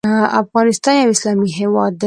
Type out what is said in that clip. افغانستان یو اسلامی هیواد دی .